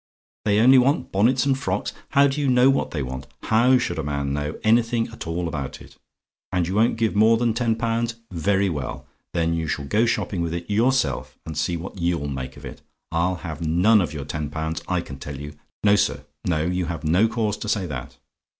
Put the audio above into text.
"THEY ONLY WANT BONNETS AND FROCKS? "How do you know what they want? HOW should a man know anything at all about it? And you won't give more than ten pounds? Very well. Then you may go shopping with it yourself, and see what YOU'LL make of it. I'll have none of your ten pounds, I can tell you. No, sir, no; you have no cause to say that.